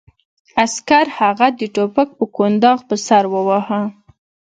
عسکر هغه د ټوپک په کنداغ په سر وواهه